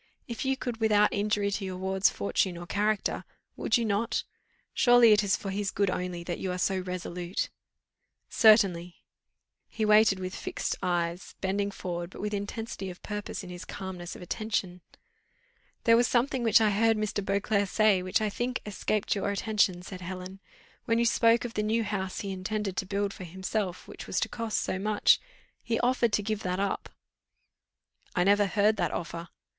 If you could without injury to your ward's fortune or character, would you not? Surely it is for his good only that you are so resolute?" "Certainly!" He waited with eyes fixed, bending forward, but with intensity of purpose in his calmness of attention. "There was something which I heard Mr. Beauclerc say, which, I think, escaped your attention," said Helen. "When you spoke of the new house he intended to build for himself, which was to cost so much, he offered to give that up." "I never heard that offer."